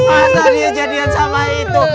masa dia jadian sama itu